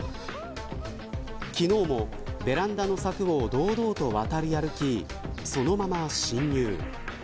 昨日もベランダの柵を堂々と渡り歩きそのまま侵入。